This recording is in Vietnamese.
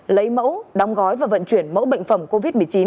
lấy mẫu đóng gói và vận chuyển mẫu bệnh phẩm covid một mươi chín